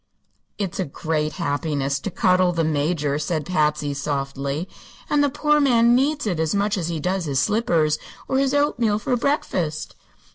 "It's a great happiness to cuddle the Major," said Patsy, softly; "and the poor man needs it as much as he does his slippers or his oatmeal for breakfast."